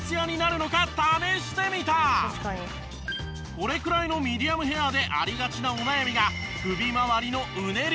これくらいのミディアムヘアでありがちなお悩みが首まわりのうねり。